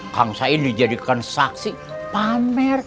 kang sain dijadikan saksi pamer